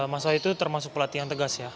mas wahyu itu termasuk pelatih yang tegas ya